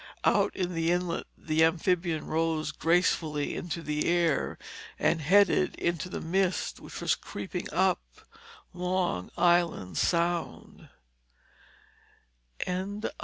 Out in the inlet the amphibian rose gracefully into the air and headed into the mist which was creeping up Long Island Sound.